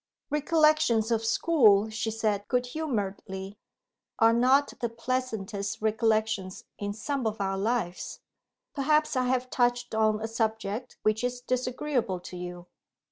"Recollections of school," she said good humouredly, "are not the pleasantest recollections in some of our lives. Perhaps I have touched on a subject which is disagreeable to you?"